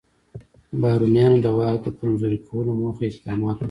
بارونیانو د واک د کمزوري کولو موخه اقدامات وکړل.